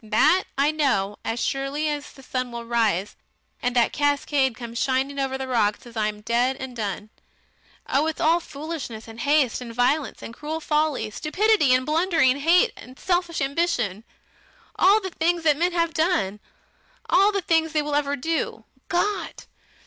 That I know as surely as that the sun will rise, and that cascade come shining over the rocks after I am dead and done.... Oh! It's all foolishness and haste and violence and cruel folly, stupidity and blundering hate and selfish ambition all the things that men have done all the things they will ever do. Gott!